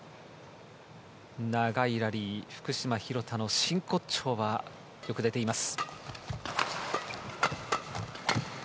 長いラリー福島、廣田の真骨頂がよく出ています。